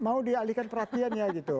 mau dialihkan perhatiannya gitu